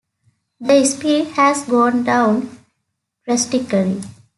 The spirit has gone down drastically.